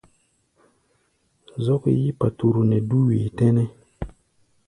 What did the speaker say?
Zɔ́k yí paturu nɛ dú wee tɛ́nɛ́.